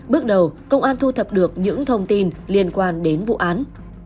bước đầu công an thu thập được những thông tin liên quan đến vụ án